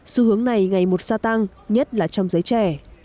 xu hướng này ngày một gia tăng nhất là trong giới trẻ